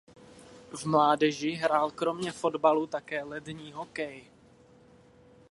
V mládeži hrál kromě fotbalu také lední hokej.